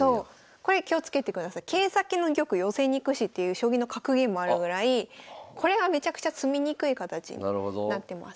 これ気をつけてください。っていう将棋の格言もあるぐらいこれはめちゃくちゃ詰みにくい形になってます。